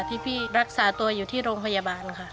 พี่รักษาตัวอยู่ที่โรงพยาบาลค่ะ